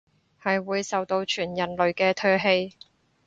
係會受到全人類嘅唾棄